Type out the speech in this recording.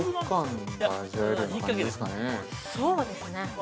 ◆そうですね。